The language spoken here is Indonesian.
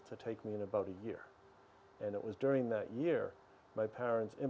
saya terkejut dengan apa yang saya panggil